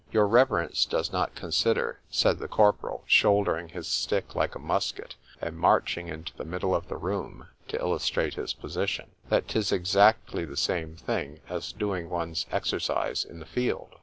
—Your reverence does not consider, said the corporal, shouldering his stick like a musket, and marching into the middle of the room, to illustrate his position,—that 'tis exactly the same thing, as doing one's exercise in the field.